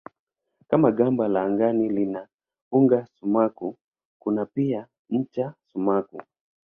Kama gimba la angani lina uga sumaku kuna pia ncha sumaku.